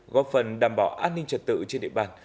góp phần đảm bảo an ninh trật tự trên địa bàn